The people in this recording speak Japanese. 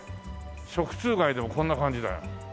食通街でもこんな感じだよ。